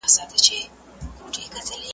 هره پرېکړه چې شفافه وي، لانجه نه اوږدېږي.